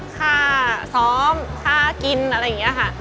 ค่าซ้อมค่ากินอะไรอย่างนี้ค่ะ